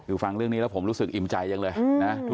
คือฟังเรื่องนี้แล้วผมรู้สึกอิ่มใจจังเลยนะ